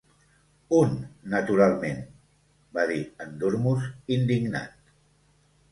"Un, naturalment!" va dir en Dormouse indignat.